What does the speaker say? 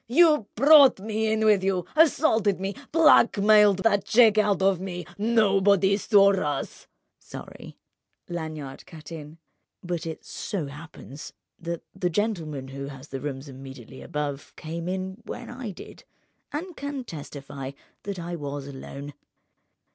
"You brought me in with you, assaulted me, blackmailed that cheque out of me! Nobody saw us—" "Sorry," Lanyard cut in; "but it so happens, that the gentleman who has the rooms immediately above came in when I did, and can testify that I was alone.